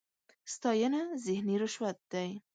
ستاېنه ذهني رشوت دی.